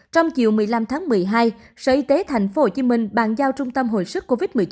trong chiều một mươi năm tháng một mươi hai sở y tế tp hcm bàn giao trung tâm hồi sức covid một mươi chín